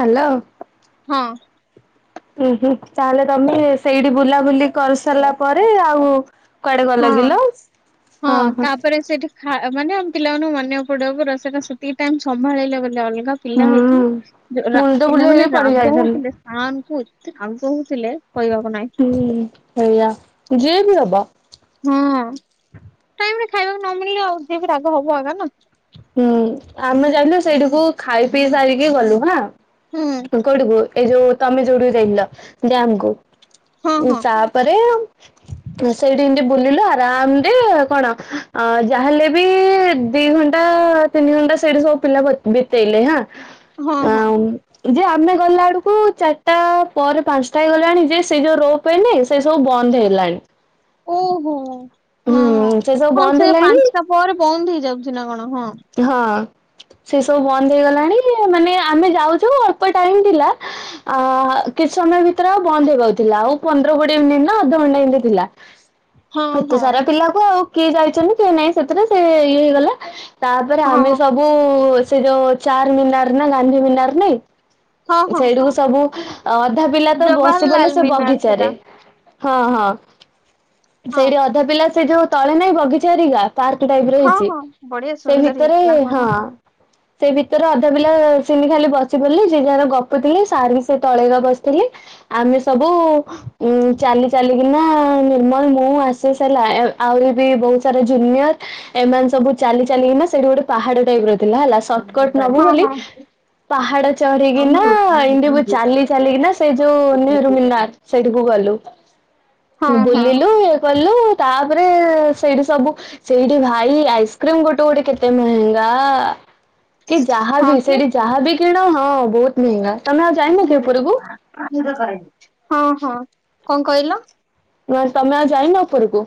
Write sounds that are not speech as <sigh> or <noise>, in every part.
Hello. ହଁ। ଉୁଁ ହୁଁ ତାହେଲେ ତମେ ସେଇଠି ବୁଲାବୁଲି କରିସାରିଲା ପରେ ଆଉ କୁଆଡେ ଗଲା ହଁ କିଲ ହଁ ଅହ। ତାପରେ ସେଠି ଖା ମାନେ ଆମ ପିଲାମାନଙ୍କୁ ମାନିବାକୁ ପଡିବ ପୁରା ସେଟା ସେତିକି ଟାଇମ୍ ସମ୍ଭାଳିଲେ ବୋଲି ଅଲଗା। ପିଲା ହୁଁ ହେଇଥିଲେ ମୁଣ୍ଡ ପିଲା ବୁଲେଇକି ମାନେ ପଡି ରାଗ ଯାଇଥିଲି। ହଉଥିଲେ। ଆଁକୁଚ୍ ଆଁ ଙ୍କୁ କହୁଥିଲେ କହିବାକୁ ନାଇଁ। ହୁଁ ସେଇଆ ଯିଏ ବି ହବ। ହଁ ଟାଇମ୍ ରେ ଖାଇବାକୁ ନ ମିଳିଲେ ଆଉ ଯିଏ ବି ରାଗ ହବ ଆଉ ଜାଣିନ୍‌। ହୁଁ ଆମେ ଜାଇଥିଲୁ ସେଇଠକୁ ଖାଇ ପିଇ ସାରିକି ଗଲୁ ହାଁ। ହୁଁ। କୋଉଟିକୁ ଏ ଯୋଉ ତମେ ଯୋଉଠି ଯାଇଥିଲ ଡ୍ୟାମ କୁ ହଁ ହଁ। ତାପରେ ଆଉ ସେଇଠି ଏମିତି ବୁଲିଲୁ ଆରାମରେ କଣ ଅ ଯାହାହେଲେ ବି ଦି ଘ ଟା ତିନି ଘଣ୍ଟା ସେଇଠି ସବୁ ପିଲା ବିତେଇଲେ ହାଁ। ହଁ ହଁ ଯେ ଆମେ ଗଲାଡକୁ ଚାରିଟା ପରେ ପାଞ୍ଚଟା ହେଇ ଗଲାଣି ଯେ ସେ ଯୋଉ ରୋ କହିଲି ସେଇ ସବୁ ବନ୍ଦ ହେଇଲାଣି। ଓହୋ ହଁ ହୁଁ ସେ ସବୁ ହଁ ବନ୍ଦ ସେ ହେଲାଣି ପାଞ୍ଚଟା ପରେ ବନ୍ଦ ହେଇଯାଉଛି ନା କଣ ହଁ। ହଁ। ସେ ସବୁ ବନ୍ଦ ହେଇଗଲାଣି ମାନେ ଆମେ ଯାଉଛୁ ଅଳ୍ପ ଟାଇମ ଥିଲା। ଆଁ କିଛି ସମୟ ଭିତରେ ଆଉ ବନ୍ଦ ହେବାକୁ ଥିଲା ଆଉ ପନ୍ଦର କୋଡିଏ ମିନି ନା ଅଧଘଣ୍ଟେ ଏମିତି ଥିଲା। ହଁ ଏତେ ହଁ। ସାରା ପିଲାକୁ ଆଉ କିଏ ଯାଇଛନ୍ତି କିଏ ନାଇଁ ସେଥିରେ ସେ ଇଏ ହେଇଗଲା। ତାପରେ ହଁ ଆମେ ସବୁ ସେ ଯୋଉ ଚାର ମିନାର ନା ଗାନ୍ଧୀ ମିନାର ନାଇଁ। ହଁ ହଁ ସେଇଠିକୁ ସବୁ ଅଧା ପିଲା ତ ବସି ପଲେ ଜବାହରଲାଲ ସେ ମିନାର ବଗିଚାରେ। ସେଟା ହଁ ହଁ ହଁ। ସେଇଠି ଅଧା ପିଲା ସେ ଯୋଉ ତଳେ ନାହିଁ ବଗିଚା ହରିକା। ପାର୍କ ଟାଇପ୍ ର ହଁ ହେଇଛି ହଁ ବଢିଆ ସେ ସୁନ୍ଦର ଭିତରେ ହେଇଥିଲା ହଁ। ସେ ଭିତରେ ଅଧା ପିଲା ସିମି ଖାଲି ବସି ପଡିଲି ସେ ଯାହାର ଗପୁ ଥିଲି ସାରେ ବି ସେ ତଳେର ବସିଥିଲି। ଆମେ ସବୁ ଚାଲି ଚାଲିକିନା ନିର୍ମଲ ମୁଁ ଆସି ସାରିଲା ଆହୁରି ବି ବହୁତ ସାରା ଜୁନିୟର ଏମାନେ ସବୁ ଚାଲି ଚାଲିକିନା ସେଇଠି ଗୋଟେ ପାହାଡ ଟାଇପ ର ଅ ଥିଲା ହେଲା ହଁ ସର୍ଟକଟ ହଁ। ନବୁ ହଁ ହଁ ବୋଲି ପାହାଡ ଚଢିକିନା ହଁ ଏମ୍ ତି ମୁ କି? ଚାଲି ଚାଲିକିନା ସେ ଯୋଉ ହଁ ନିରୁମିନାର। ସେଇଠିକୁ ଗଲୁ ହଁ। ବୁଲିଲୁ ଇଏ କଲୁ। ତାପରେ ସେଇଠି ସବୁ ସେଇଠି ଭାଇ ଆଇସ୍କ୍ରିମ ଗୋଟ ଗୋଟେ ଗୋଟେ କେତେ ମହେଙ୍ଗା କି ଯାହାବି ସେଠି ଯାହାବି କିଣ ହଁ ବହୁତ୍ ମେହେଙ୍ଗା ତମେ ଆଉ ଯା ହଁ ହଁ କଁ କଇଲ। <unintelligible> ତମେ ଆଉ ଯାଇନ ଉପରକୁ।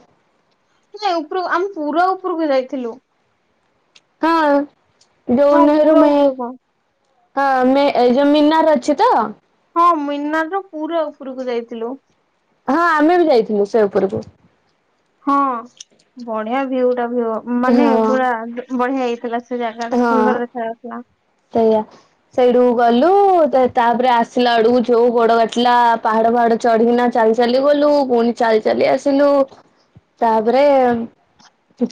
ସେ ଉପରକୁ ଆମେ ପୁର ଉପରକୁ ଯାଇଥିଲୁ। ହଁ ଯୋଉ ହଁ ପୁରା ନେହରୁମେ ଉପରକୁ। ହଁ ମେ ଏଇଯୋଉ ମିନାର ଅଛି ତ। ହଁ ମିନା ର ପୁରା ଉପୁରକୁ ଯାଇଥିଲୁ। ହଁ ଆମେ ବି ଯାଇଥିଲୁ ସେ ଉପୁରୁକୁ। ହଁ ବଢିଆ ଭିଉ ଟା ଭି ଉ ମାନେ ପୁରା ହଁ ବଢିଆ ହେଇଥିଲା ସେ ଯା ଯାଗା ହଁ। ସୁନ୍ଦର ଦେଖାଯାଉଥିଲା। ସେଇଆ। ସେଇଠୁକୁୁ ଗଲୁ ତାପରେ ଆସିଲା ବେଳକୁ ଯୋଉ ଗୋଡ କାଟିଲା ପାହାଡ ଫାହାଡ ଚଢିକିନା ଚାଲି ଚାଲି ଗଲୁ ପୁଣି ଚାଲି ଚାଲି ଆସିଲୁ। ତାପରେ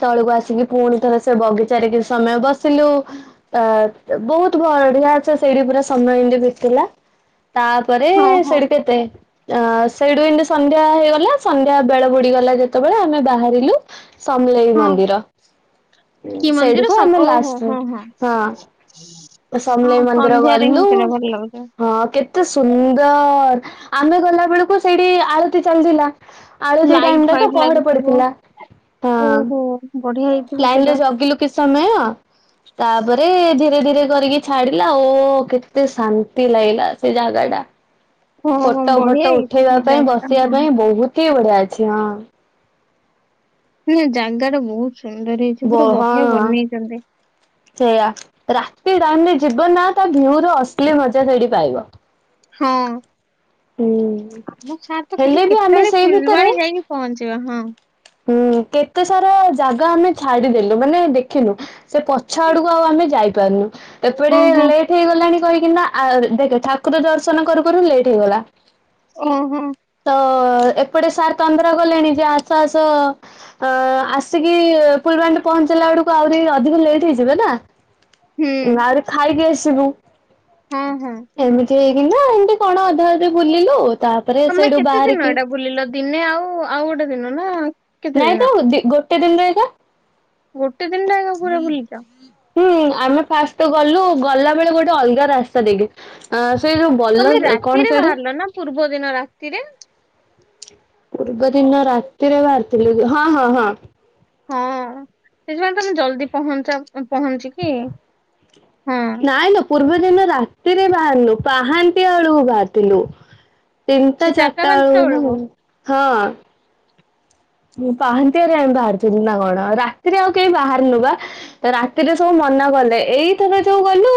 ତଳକୁ ଆସିକି ପୁଣିଥରେ ସେ ବଗିଚାରେ କିଛି ସମ ଥିଲୁ ଅ ବହୁତ ବଢିଆ ଅଛ ସେଇଠି ପୁରା ସମୟ ଏମିତି ବିତିଲା। ତାପରେ ହଁ ହଁ ସେଇଠୁ କେତେ ଅ ସେଇଠୁ ଏମତି ସନ୍ଧ୍ୟା ହେଇଗଲା ସନ୍ଧ୍ୟା ବେଳ ବୁଡିଗଲା ଯେତେବେଳେ ଆମେ ବାହାରିଲୁ। ସମଲେଇ ହଁ ମନ୍ଦିର ହୁଁ କି ମନ୍ଦିର ସେଇଠକୁ ଆମେ ଓହୋ ଲାଷ୍ ହଁ ହଁ ହଁ ହଁ ସମଲେଇ ମନ୍ଦିର ସନ୍ଧ୍ୟାରେ ହିଁ ଗଲୁ। ସେଟା ଭଲ ଲାଗୁଛି। ହଁ କେତେ ସୁନ୍ଦର ଆମେ ଗଲା ବେଳକୁ ସେଇଠି ଆଳତି ଚାଲିଥିଲା। ଆଳତୀ ଲାଇଟ୍ ଟାଇରେ ତ ଫାଇଟ୍ ପହଡ ଲାଗିଥିବ ପଡିଥିଲା ହଁ ଓହୋ ବଢିଆ ହେଇଥିବ ଲାଇନ ରେ ସେଇଟା ଜଗିଲୁ କି ସମୟ। ତାପରେ ଧୀରେ ଧୀରେ କରିକି ଛାଡିଲା ଓ କେତେ ଶାନ୍ତି ଲାଗିଲା ସେ ଜାଗା ଟା। ହଁ ହଁ ଫୋଟୋ ବଢିଆ ଫୋଟ ହେଇଛି ଉଠେଇବା ସେ ପାଇଁ ଜାଗା ଟା ବସିବା ହଁ ପାଇଁ ବହୁତ ହି ବଢିଆ ଅଛି ହଁ। ନା ଜାଗା ଟା ବହୁତ ସୁନ୍ଦର ହେଇଚି ପୁରା ବଢିଆ ବନେଇଚନ୍ତି। ସେଇୟା ରାତି ଡାଇନରେ ଯିବ ନା ତା ଭିଉ ର ଅଶ୍ଲି ମଜା ସେଠି ପାଇବ। ହଁ। ହୁଁ। ଆମ ଛାର୍ ତ ଖାଲି ହେଲେ ବି ଆମେ କେତେବେଳେ ସେଇ ଫୁଲବାଣୀ ଯାଇକି ପହଞ୍ଚିବା ହଁ। ହୁଁ କେତେ ସାରା ଜାଗା ଆମେ ଛାଡିଦେଲୁ ମାନେ ଦେଖିନୁ। ସେ ପଛ ଆଡକୁ ଆଉ ଆମେ ଯାଇପାରୁନୁ ହଁ ଏପଟେ ହଁ ଲେଟ୍ ଟେ ହେଇଗଲାଣି କହିକିନା ଦେଖ ଠାକୁର ଦର୍ଶନ କରୁ କରୁ ଲେଟ୍ ହେଇଗଲା। ଉଁ ହୁଁ। ତ ଏପଟେ ସାର୍ ତନ୍ଦ୍ରା ଗଲେଣି ଯେ ଆସ ଆସ। ଅ ଆସିକି ଫୁଲବାଣିରେ ପହଞ୍ଚିଲା ବେଳକୁ ଆହୁରି ଅଧିକ ଲେଟ୍ ହେଇଯିବ ନା। ହୁଁ ଆହୁରି ଖାଇକି ଆସିବୁ। ହୁଁ ହୁଁ। ଏମିତି ହେଇକିନା ଏମିତି କଣ ଅଧା ଅଧି ବୁଲିଲୁ ତା ତମେ କେତେ ଦିନ ଏଇଟା ବୁଲିଲ ଦିନେ ଆଉ ଆଉ ଗୋଟେ ଦିନ ନା। କେତେ ନାଇଁ ତ ଦିନ ଦି ଗୋଟେ ଦିନର ଏଇକା। ଗୋଟେ ଦିନ ଟା ଏକା ପୁରା ବୁଲିଛ ହୁଁ ଆମେ ଫାଷ୍ଟ ଗଲୁ ଗଲା ବେଳେ ଗୋଟେ ଅଲଗା ରାସ୍ତା ଦେଇକି। ଅ ସେଇ ଯୋଉ ତମେ ବଲ କଣ ରାତିରେ ସେଇଟା। ବାହାରିଲ ନା ପୂର୍ବ ଦିନ ରାତିରେ। ପୂର୍ବ ଦିନ ରାତିରେ ବାହାରିଥିଲୁ ହଁ ହଁ ହଁ। ହଁ ସେଥିପାଇଁ ତମେ ଜଲଦି ପହଞ୍ଚ ପହଞ୍ଚିକି ହଁ। ନାଇଁ ଲୋପୂର୍ବ ଦିନ ରାତିରେ ବାହାରିଲୁ ପାହାନ୍ତି ବେଳକୁ ବାହାରିଥିଲୁ। ତିନିଟା ସେ ଚାରିଟା ପାଞ୍ଚଟା ବେଳୁକୁ ନା ବେଳକୁ କଣ ହଁ। ମୁଁ ପାହାନ୍ତିଆରେ ଆମ ବାହାରୁଥିଲୁ ନା କଣ ଆଉ ରାତିରେ ଆଉ କେହି ବାହାରନୁ ବା। ରାତିରେ ସବୁ ମନା କଲେ ଏଇଥର ଯୋଉ ଗଲୁ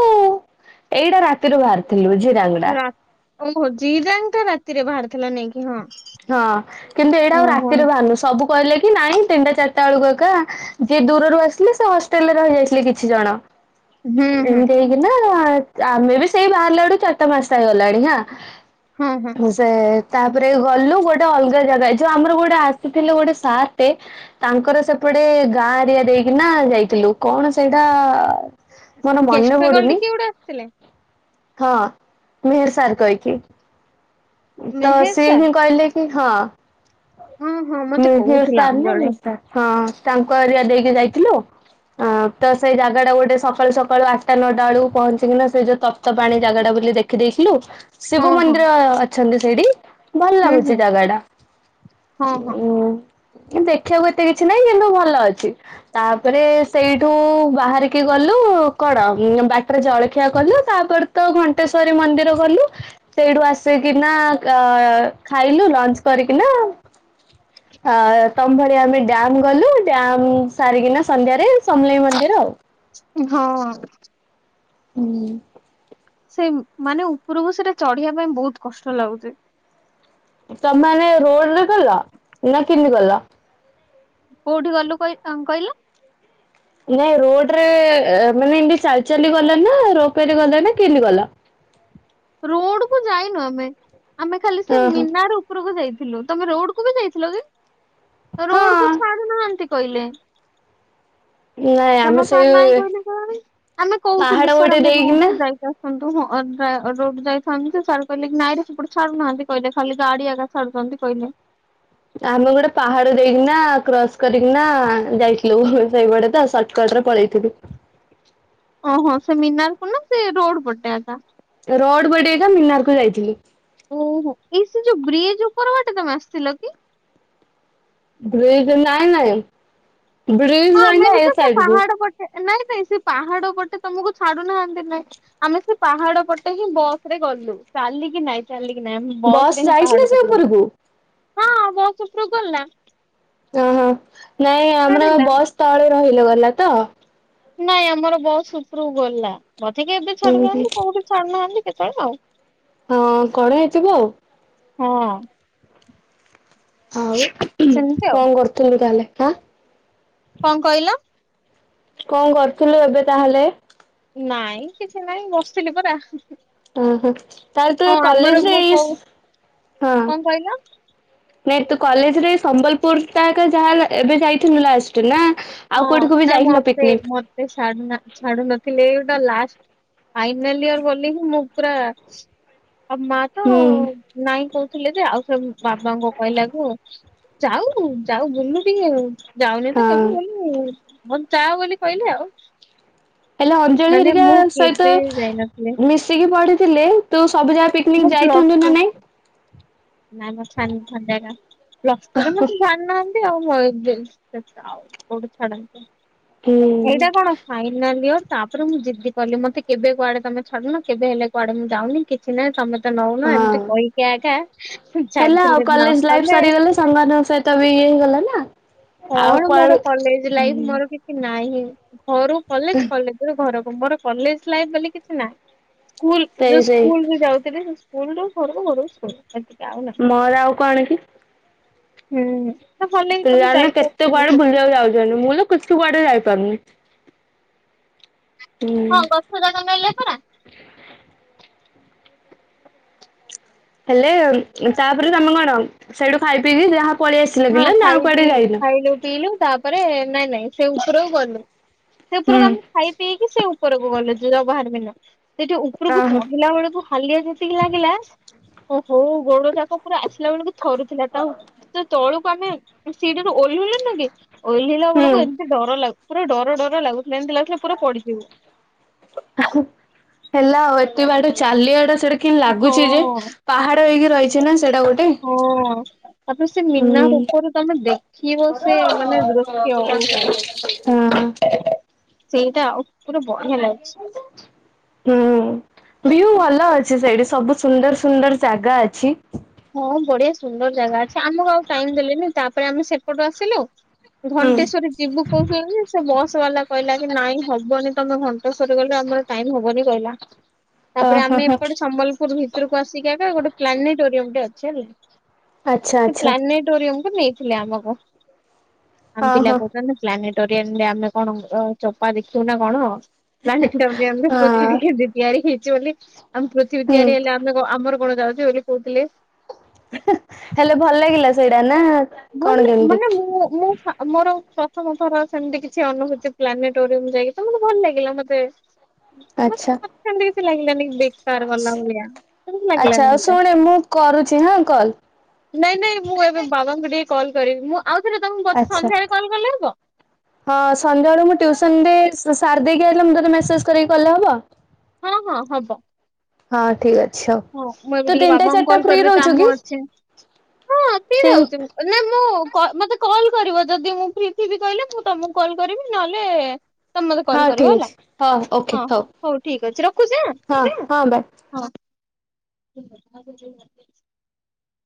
ଏଇଟା ରା ତିରୁ ବାହାରିଥିଲୁ ଝିରାଙ୍ଗିଡା। ରା ଓହୋ ଜିରାଙ୍ଗ ଟା ରାତିରେ ବାହାରିଥିଲା ନାଇଁକି ହଁ। ହଁ, କିନ୍ତୁ ଏଇଟା ହଁ ଆଉ ହଁ। ରାତିରେ ବାହାନୁ, ସବୁ କହିଲେ କି ନାଇଁ ତିନିଟା ଚାରିଟା ବେଳକୁ ଏକା। ଯିଏ ଦୂରରୁ ଆସିଲେ ସେ ହଷ୍ଟେଲରେ ରହିଯାଇଥିଲେ କିଛି ଜଣ, ହୁଁ ହୁଁ ଏମତି ହେଇ ନା ଆମେ ବି ସେଇ ବାହାରିଲା ବେଳୁ, ଚାରିଟା ପାଞ୍ଚଟା ହେଇଗଲାଣି ହାଁ। ହଁ ହଁ। ସେ ତାପରେ ଗଲୁ ଗୋଟେ ଅଲଗା ଜାଗା ଏ ଯୋଉ ଆମର ଗୋଟେ ଆସିଥିଲେ ଗୋଟେ ସାରଟେ ତାଙ୍କର ସେପଟେ ଗାଁ ଏରିଆ ଦେଇକି ନା ଯାଇଥିଲୁ, କଣ ସେଇଟା? ମୋର ମନେ ପଡୁନି। କୋଉଠୁ ଆସିଥିଲେ? ହଁ, ମିହିର ସାର କଏକି। ତ ମେହେର ସିଏ ହିଁ ସାର୍ କହିଲେ କି ହଁ ହଁ ହଁ ମତେ ନା କହୁଥିଲା ଅଞ୍ଜଳି <unintelligible> ହଁ, ତାଙ୍କ ଏରିଆ ଦେଇକି ଯାଇଥିଲୁ। ଅ ତ ସେଇ ଜାଗା ଟା ଗୋଟେ ସକାଳୁ ସକାଳୁ ଆଠଟା ନଅଟା ବେଳକୁ ପହଞ୍ଚିକିନା ସେ ଯୋଉ ତ ପ୍ତ ପାଣି ଜାଗା ଟା ବୋଲି ଦେଖିଦେଇଥିଲୁ, ହଁ ଶିବ ହଁ ମନ୍ଦିର ଅଛନ୍ତି ସେଇଠି। ଭଲ ହୁଁ ହୁଁ। ଲାଗୁଛି ଜାଗାଟା, ହଁ ହଁ ଉଁ ଉଁ ଦେଖିବାକୁ ଏତେ କିଛି ନାହିଁ, କିନ୍ତୁ ଭଲ ଅଛି। ତାପରେ ସେଇଠୁ ବାହାରିକି ଗଲୁ କଣ ବାଟରେ ଜଳଖିଆ କଲୁ? ତାପରେ- ତ ଘଣ୍ଟେଶ୍ଵରୀ ମନ୍ଦିର ଗଲୁ ସେଇଠୁ ଆସି କିନା ଖାଇଲୁ ଲଞ୍ଚ କରିକିନା ଅ ତମ ଭଳି ଆମେ ଡ୍ୟମ୍ ଗଲୁ, ଡ୍ୟାମ ସାରିକିନା ସନ୍ଧ୍ୟାରେ ସମଲେଇ ମନ୍ଦିର ଆଉ। ହଁ ଅ। ହୁଁ ସେ ମାନେ ଉପରକୁ ସେଇଟା ଚଢିବା ପାଇଁ ବହୁତ କଷ୍ଟ ଲାଗୁଛି। ତମାନେ ରୋଡରେ ଗଲା, ନା କେମିତି ଗଲ? କୋଉଠି ଗଲୁ କ କଣ କହିଲୁ? ନାଇଁ ରୋଡରେ ମାନେ ଏମତି ଚାଲି ଚାଲି ଗଲ ନା, ରୋପରେ ଗଲ, ନା କେମିତି ଗଲ? ରୋଡ କୁ ଯାଇନୁ ଆମେ, ଆମେ ଖାଲି ସେ ଓହୋ ମିନାରୁ ଉପରକୁ ଯାଇଥିଲୁ, ତମେ ରୋଡ କୁ ବି ଯାଇଥିଲ କି? ହଁ ରୋଡ କୁ ଛାଡୁନାହାନ୍ତି କହିଲେ। ନାଇଁ ଆମେ ଜମା ସେଇ ସାର୍ ନାଇଁ କହିଲେ ପୁଣି, ଆମେ ପାହାଡ କହୁଥିଲୁ ସାର୍ ଗୋଟେ ଆମେ ରୋଡ ଦେଇକିନା କୁ ଯାଇଥାନ୍ତୁ। <unintelligible> ରୋଡ ଯାଇଥାନ୍ତି। ସେ ସାର୍ କହିଲେ କି ନାଇଁରେ ସେପଟେ ଛାଡୁନାହାନ୍ତି କହିଲେ, ଖାଲି ଗାଡି ଆଗା ଛାଡୁଛନ୍ତି କହିଲେ। ଆମେ ଗୋଟେ ପାହାଡ ଦେଇକିନା, କ୍ରସ୍ କରିକିନା, ଯାଇଥିଲୁ ସେଇପଡେ ତ। ସଟରେ ପଳେଇଥିଲୁ। ଓହୋ, ସେ ମିନାର ପଟେ ନା, ସେ ରୋଡ ପଟେ ଏକା। ରୋଡ ବଢଡେଇକା ମିନାର କୁ ଯାଇଥିଲି। ଓହୋ, ଏଇ ସେ ଯୋଉ ବ୍ରିଜ ଉପର ବାଟେ ତମେ ଆସିଥିଲ କି? ବ୍ରିଜ ନାଇଁ ନାଇଁ, ହଁ ବ୍ରିଜ ଆମେ ରହିଲା ବି ତ ଏ ସେ ସାଇଡ କୁ। ପାହାଡ ପଟେ ନାଇଁ ନାଇଁ ସେ ପାହାଡ ପଟେ ତମକୁ ଛାଡୁ ନାହାନ୍ତି ନାଇଁ। ଆମେ ସେ ପାହାଡ ପଟେ ହିଁ ବସ ରେ ଗଲୁ, ଚାଲିକି ନାଇଁ। ଚାଲିକି ନାଇଁ, ବସ ବସ୍ ରେ ହିଁ ଯାଇଥିଲା ପାହାଡ ସେ ପଟ ଗଲି। ଉପରକୁ? ହଁ ବସ୍ ଉପରକୁ ଗଲା। ଓହୋ, ନାଇଁ ଆମର ଛାଡିଲା। ବସ୍ ତଳେ ରହିଲ ଗଲା ତ। ନାଇଁ ଆମର ବସ୍ ଉପ ଉପରକୁ ଗଲା। ବଧେଇକି ଏବେ ଉଁ ଛାଡୁ ହୁଁ ନାହାନ୍ତି, କୋଉଠି ଛାଡୁ ନାହାନ୍ତି କେତେବେଳେ ଆଉ? ହଁ, କଣ ହେଇଥିବ ଆଉ? ହଁ ଅ। ଆଉ, ସେମିତି ଆଉ କଣ କରୁଥିଲ ତାହେଲେ? ଆଁ କଣ କହିଲ? କଣ କରୁଥିଲୁ ଏବେ ତାହେଲେ? ନାଇଁ କିଛି ନାଇଁ, ବସିଥିଲି ପରା। ଓ ହୋ, ତାହାଲେ ତୁ ହଁ ଏ ଆମର କଲେଜରେ ମୁଁ କୋଉ ଏଇ କଣ କହିଲ ନାଇଁ ତୁ କଲେଜରେ ସମ୍ବଲପୁର ଟ ଯାହା ଏବେ ଯାଇଥିଲୁ ଲାଷ୍ଟ ନା ଆଉ କୋଉଠିକୁ ବି ଯାଇଥିଲ ପିକ୍ନିକ୍? ସେ ସ୍ୟାଡୁନା, ଛାଡୁ ନଥିଲେ ଏଟା ଲଷ୍ଟ ଫାଇନାଲ୍ ଇୟର ବୋଲି ହିଁ ମୁଁ ପୁରା ଆଉ ମା ତ ହୁଁ ନାଇଁ କହୁଥିଲେ ଯେ ଆଉ ସେ ବାବାଙ୍କ କହିଲାକୁ ଯାଉ, ଯାଉ ବୁଲୁ ଟିକେ ଯାଉନି ତ କେବେ ହଁ ମୁଁ ହଁ ଯାଉ ବୋଲି କହିଲେ ଆଉ। ହେଲେ ଅଞ୍ଜଳି ମାନେ ହେରିକା ମୁଁ ସହିତ କେବେ ଯାଇନଥିଲି ମିଶିକି ପଢିଥିଲେ ତୁ ସବୁ ଯାକ ପି ମୁଁ ପିକ୍ନିକ୍ ପ୍ଲସ ଯାଇଥାନ୍ତୁ ଟୁ ନା ନାହିଁ? ନାଇଁ ମତେ ଛାଡୁନି ଥଣ୍ଡା ଟା। ପ୍ଲସ୍ ଟୁ ରେ ମତେ ଛାଡି ନାହାଁନ୍ତି। <unintelligible> କୋଉଠି ଛାଡନ୍ତିନି। ହୁଁ ଏଇଟା କଣ? ଫାଇନାଲ୍ ଇୟର ତାପରେ ମୁଁ ଜିଦି କାଲି। ମତେ କେବେ କୁଆଡେ ତମେ ଛାଡୁନ, କେବେ ହେଲେ କୁଆଡେ ମୁଁ ଯାଉନି କିଛି ନାହିଁ ତମେ ତ ନଉନ। ହଁ ଏମିତି କହିକି ଆଗା ହେଲା ଆଉ। କଲେଜ୍ ଲାଇଫ୍ ସରିଗଲେ ସାଙ୍ଗ ମାନଙ୍କ ସହିତ ବି ଇଏ ହେଇଗଲା ନା। ଆଉ କଣ ମୋର କୁଆଡେ କଲେଜ୍ ଲାଇଫ୍ ହୁଁ ମୋର କିଛି ନାହିଁ। ଘରୁ କଲେଜ୍, କଲେଜ୍ ରୁ ଘରକୁ, ମୋର କଲେଜ୍ ଲାଇଫ୍ ବୋଲି କିଛି ନାହିଁ। ସ୍କୁଲ୍, ସେଇ ଯୋଉ ସେଇ ସ୍କୁଲ୍ ବି ଯାଉଥିଲି, ସେ ସ୍କୁଲ୍ ରୁ ଘରକୁ, ଘରୁ ସ୍କୁଲ୍। ଏତିକି ଆଉ ନାହିଁ। ମୋର ଆଉ କଣ କି ହୁଁ ଭଲ ତମେ ଯାଇ ତୁ କୁଆଡେ ବୁଲିବାକୁ ଯାଉଛନ୍ତି। ମୁଁ କିଛି କୁଆଡେ ଯାଇପାରୁନି। ହୁଁ ହଁ ଗଛ ଯାକ ନେଲେ ପରା? ହେଲେ, ତାପରେ ତମେ କଣ? ସେଇଠୁ ଖାଇ ପିଇକି ଯାହା ପଳେଇ ଆସିଲ ହଁ, କିଲ ନା ଆଉ ଖାଇି କୁଆଡେ ପିଇ ଯାଇନ? ଖାଇଲୁ ପିଇଲୁ ତାପରେ ନାଇଁ ନାଇଁ ସେ ଉପରକୁ ଗଲୁ। ସେ ହୁଁ। ଉପରକୁ ଆମେ ଖାଇ ପିଇକି ସେ ଉପରକୁ ଗଲୁ। ଜୁର ବାହାର ବିନା, ସେଠି ଉପରକୁ ଓହୋ ଚଢିଲା ବେଳକୁ ହାଲିଆ ଯେତିକି ଲାଗିଲା, ଓହୋ ଗୋଡ ଯାକ ପୁରା ଆସିଲା ବେଳକୁ ଥରୁଥିଲା ତା ବେଳକୁ ଆମେ ସିଡିରୁ ଓହ୍ଲେଇ ଲୁନିକି, ଓହ୍ଲେଇ ଲା ହୁଁ ବେଳକୁ ଏମିତି ଡର ଲାଗୁ ପୁରା ଡର ଡର ଲାଗୁଥିଲା। ଏମିତି ଲାଗୁ ଥିଲା ପୁରା ପଡିଯିବୁ। ହେଲା ଆଉ, ଏତେ ବାଟ ଚାଲିିବାଟା ସେଟା କିମ୍ ହଁ। ଲାଗୁଛି ଯେ, ପାହାଡ ହେଇକି ରହିଛି ନା ସେଇଟା ଗୋଟେ। ହଁ। ତାପରେ ସେ ମୀନା ହୁଁ ରୂପରେ ତମେ ଦେଖିବ ସେ ମାନେ ଦୃଶ୍ୟ ଓହୋ। ହାଁ। ସେଇଟା ଉପରୁ ବଢିଆ ଲାଗୁଛି। ହୁଁ ଭିଉ ଭଲ ଅଛି ସେଇଠି। ସବୁ ସୁନ୍ଦର ସୁନ୍ଦର ଜାଗା ଅଛି। ହଁ ବଢିଆ ସୁନ୍ଦର ଜାଗା ଅଛି। ଆମକୁ ଆଉ ଟାଇମ୍ ଦେଲେନି, ତାପରେ ଆମେ ସେପଟୁ ଆସିଲୁ। ହୁଁ ଘଣ୍ଟେଶ୍ଵରୀ ଯିବୁ କହୁଛନ୍ତି, ସେ ବସ୍ ବାଲା କହିଲା କି ନାଇଁ ହବନି ତମେ ଘଣ୍ଟେଶ୍ୱରୀ ଗଲେ ଆମର ଟାଇମ୍ ହବନି କହିଲା। ହ ତାପରେ ଆମେ ଏପଟେ ସମ୍ବଲପୁର ଭିତରକୁ ଆସିକି ଏବେ ଗୋଟେ ପ୍ଲାନେଟୋରିୟମ୍ ଟେ ଅଛି ହେଲା ଆଚ୍ଛା ସେ ଆଚ୍ଛା ପ୍ଲାନେଟୋରିୟମ୍ କୁ ନେଇଥିଲେ ଆମକୁ ହଁ ଆମ ପିଲା ହଁ କହୁଛନ୍ତି ପ୍ଲାନେଟୋରିୟମ୍ ରେ ଆମେ କଣ ଚୋପା ଦେଖିବୁ ନା କଣ? <unintelligible> ହଁ ପୃଥିବୀ କେମିତି ତିଆରି ହେଇଛି ବୋଲି, ଆମ ପୃଥିବୀ ହୁଁ ତିଆରି ହେଲା ଦେଖ ଆମର କଣ ଯାଉଚି ବୋଲି କହୁଥିଲେ। ହେଲେ ଭଲ ଲାଗିଲା ସେଇଟା ନା? କଣ ଭଲ କେମିତି ମାନେ ମୁଁ ମୁଁ ଆଉ ମୋର ପ୍ରଥମ ଥର ସେମିତି କିଛି ଅନୁଭୂତି ପ୍ଲାନେଟୋରିୟମ୍ ଯାଇକି ତ ମତେ ଭଲ ଲାଗିଲା ମତେ। ହ ଆଚ୍ଛା। ମତେ ସେମିତି କିଛି ଲାଗିଲାନି। ବେକାର ଗଲା ଭଳିଆ, ଆଚ୍ଛା ଲାଗିଲାନି ଆଉ ମତେ। ଶୁଣେ ମୁଁ କରୁଛି ହଁ କଲ୍ ନାଇଁ ନାଇଁ ମୁଁ ଏବେ ବାବାଙ୍କୁ ଟିକେ କଲ୍ କରିବି। ମୁଁ ଆଉ ଥରେ ତମକୁ ବ ଆଚ୍ଛା ସନ୍ଧ୍ୟ ବେଳେ କଲ୍ କଲେ ହବ? ହଁ ସନ୍ଧ୍ୟାଆଳୁ ମୁଁ ଟ୍ୟୁସନ୍ ରେ ସାରି ଦେଇକି ଆଇଲେ, ମୁ ତତେ ମେସେଜ୍ କରିକି କଲେ ହେବ? ହଁ ହଁ ହବ। ହଁ ଠିକ୍ ଅ ହଁ ମୁଁ ଏବେ ଟିକେ ବାବାଙ୍କୁ କଲ କରିବି ରହୁଛୁ କାମ କି ଅଚ୍ଛି ହଁ ତିନି ହଉଛି। ତିନ ନାଇ ମୁଁ କ ମତେ କଲ୍ କରିବ ଯଦି ମୁଁ ଫ୍ରି ଥିବି କହିଲେ ମୁଁ ତମକୁ କଲ୍ କରିବି ନହେଲେ ତମେ ମତେ କଲ୍ ହଁ କରିବ ଠିକ ହେଲା ଅଛି ହଁ ଓକେ ହଁ ହଁ ହଉ ଠିକ୍ ଅଛି ରଖୁଛି ହା ହଁ।